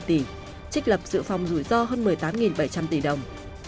trích lập dự phòng rủi ro hơn một mươi tám bảy trăm linh tỷ đồng